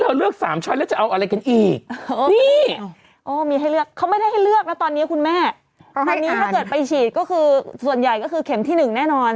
ขอเลือกหน่อยได้มั้ยไข่อื่นได้มั้ย